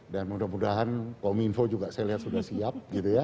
dan mudah mudahan komi info juga saya lihat sudah siap